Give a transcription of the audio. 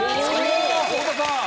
太田さん！